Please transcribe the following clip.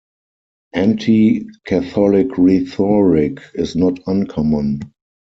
Anti-Catholic rhetoric is not uncommon.